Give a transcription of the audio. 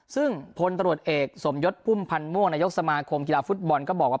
ซึ่งพลตรวจเอกสมยศพุ่มพันธ์ม่วงนายกสมาคมกีฬาฟุตบอลก็บอกว่า